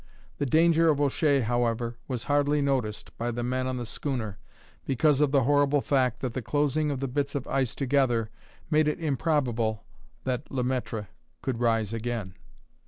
The danger of O'Shea, however, was hardly noticed by the men on the schooner, because of the horrible fact that the closing of the bits of ice together made it improbable that Le Maître could rise again.